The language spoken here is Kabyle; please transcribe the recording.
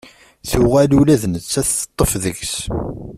Tuɣal ula d nettat teṭṭef deg-s.